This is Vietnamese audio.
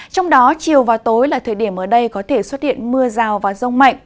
trong đó chiều và tối là thời điểm ở đây có thể xuất hiện mưa rào và rông mạnh